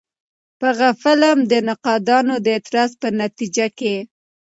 په غه فلم د نقادانو د اعتراض په نتيجه کښې